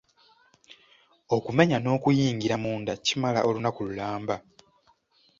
Okumenya n'okuyingira munda kimala olunaku lulamba.